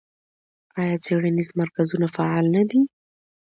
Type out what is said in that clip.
آیا څیړنیز مرکزونه فعال نه دي؟